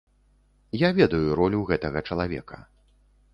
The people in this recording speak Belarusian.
Я ведаю ролю гэтага чалавека.